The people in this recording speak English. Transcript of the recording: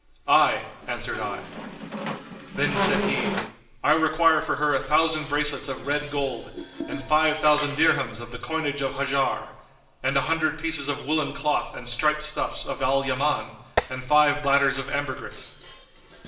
"I," answered I. Then said he, "I require for her a thousand bracelets of red gold and five thousand dirhams of the coinage of Hajar[FN#90] and a hundred pieces of woollen cloth and striped stuffs[FN#91] of Al Yaman and five bladders of ambergris."